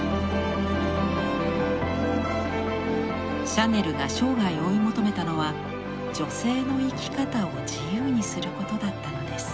シャネルが生涯追い求めたのは女性の生き方を自由にすることだったのです。